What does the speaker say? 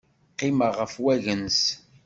Qqimeɣ ɣef wagens.